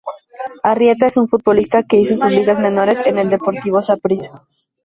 Arrieta es un futbolista que hizo sus ligas menores en el Deportivo Saprissa.